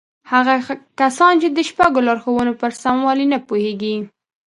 هغه کسان چې د شپږو لارښوونو پر سموالي نه پوهېږي.